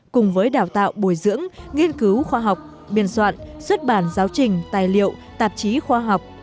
cùng với đào tạo bồi dưỡng nghiên cứu khoa học biên soạn xuất bản giáo trình tài liệu tạp chí khoa học